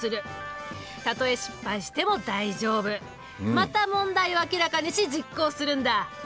また問題を明らかにし実行するんだ。